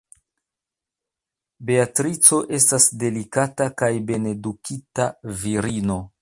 Beatrico estas delikata kaj bonedukita virino.